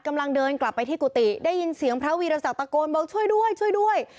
กำลังเดินกลับไปที่กุฏิได้ยินเสียงพระวิราษัทตะโกนบอกช่วยด้วย